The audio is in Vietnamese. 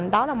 đó là một